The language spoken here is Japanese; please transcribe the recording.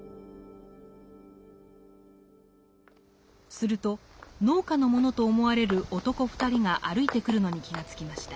すると農家の者と思われる男２人が歩いてくるのに気が付きました。